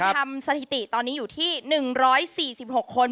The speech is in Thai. สถิติตอนนี้อยู่ที่๑๔๖คน